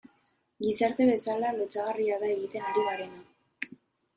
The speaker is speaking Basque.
Gizarte bezala lotsagarria da egiten ari garena.